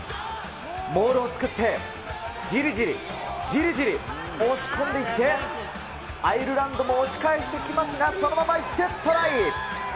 モールを作ってじりじり、じりじり、押し込んでいって、アイルランドも押し返してきますが、そのまま行ってトライ。